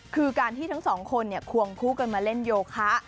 คือการที่ทั้งสองคนควงคู่กันมาเล่นโยคะ